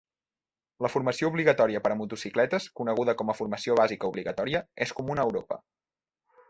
La formació obligatòria per a motocicletes, coneguda com a Formació Bàsica Obligatòria, és comuna a Europa.